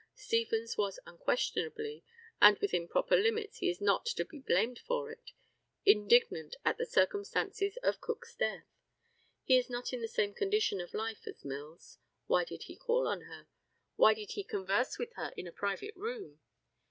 Stevens was unquestionably and within proper limits he is not to be blamed for it indignant at the circumstances of Cook's death. He is not in the same condition of life as Mills. Why did he call on her? Why did he converse with her in a private room?